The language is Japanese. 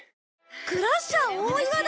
クラッシャー大岩だ！